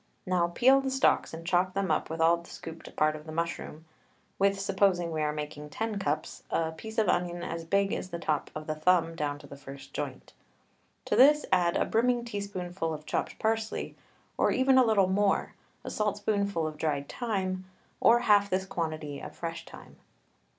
Now peel the stalks and chop them up with all the scooped part of the mushroom, with, supposing we are making ten cups, a piece of onion as big as the top of the thumb down to the first joint. To this add a brimming teaspoonful of chopped parsley, or even a little more, a saltspoonful of dried thyme, or half this quantity of fresh thyme.